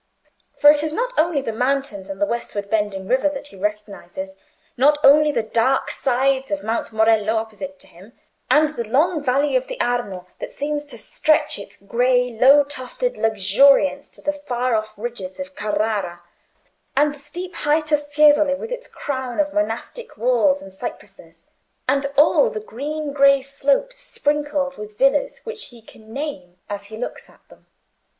For it is not only the mountains and the westward bending river that he recognises; not only the dark sides of Mount Morello opposite to him, and the long valley of the Arno that seems to stretch its grey low tufted luxuriance to the far off ridges of Carrara; and the steep height of Fiesole, with its crown of monastic walls and cypresses; and all the green and grey slopes sprinkled with villas which he can name as he looks at them.